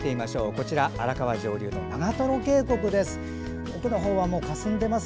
こちら、荒川上流の長瀞渓谷です。